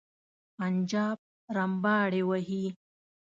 پنجاب رمباړې وهي.